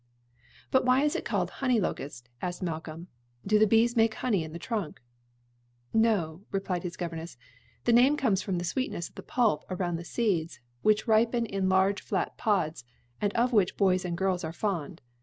"But why is it called honey locust?" asked Malcolm. "Do the bees make honey in the trunk?" "No," replied his governess; "the name comes from the sweetness of the pulp around the seeds, which ripen in large flat pods, and of which boys and girls are fond.